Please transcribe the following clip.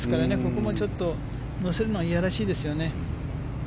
ここもちょっと乗せるのは嫌らしいですよね。